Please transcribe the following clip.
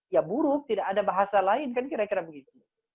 ya buruk tidak ada bahasa lain kan kira kira begitu